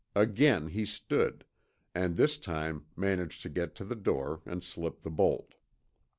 Again he stood, and this time managed to get to the door and slip the bolt.